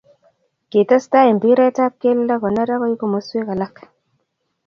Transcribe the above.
Kitesetai mpiret ab kelt koner okoi komoswek alak.